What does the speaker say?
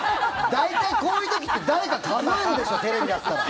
大体こういう時って誰か数えるでしょテレビだったら。